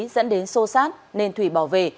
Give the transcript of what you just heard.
dẫn đến sô sát nên thủy bỏ về